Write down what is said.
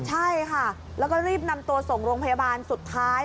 ใช่ค่ะแล้วก็รีบนำตัวส่งโรงพยาบาลสุดท้าย